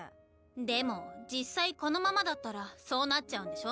でも実際このままだったらそうなっちゃうんでしょ？